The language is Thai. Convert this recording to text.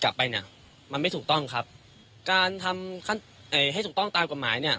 กลับไปยังมันไม่ถูกต้องครับการทำให้สูงต้องตามหมาย